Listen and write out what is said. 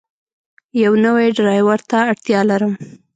یو نوی ډرایور ته اړتیا لرم.